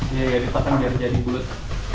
iya dipotong biar jadi bulet